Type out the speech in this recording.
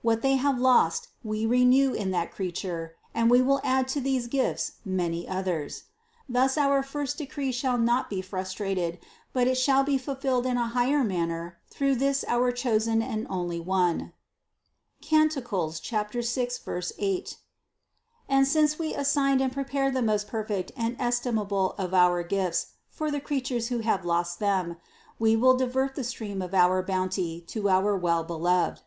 What they have lost We renew in that Creature and We will add to these gifts many others. Thus our first decree shall not be frustrated, but it shall be fulfilled in a higher manner through this our chosen and only One (Cant. 6, 8). And since We assigned and prepared the most perfect and estimable of our gifts for the creatures who have lost them, We will divert the stream of our bounty to our Well beloved.